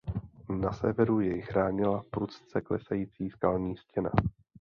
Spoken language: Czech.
Na severu jej chránila prudce klesající skalní stěna.